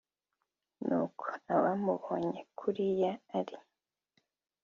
nuko abamubonye kuriya ari